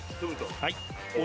はい。